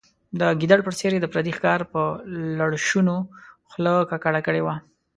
د ګیدړ په څېر یې د پردي ښکار په لړشونو خوله ککړه کړې وه.